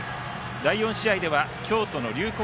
第４試合では京都の龍谷